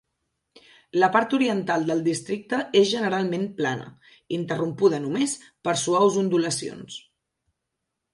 La part oriental del districte es generalment plana, interrompuda només per suaus ondulacions.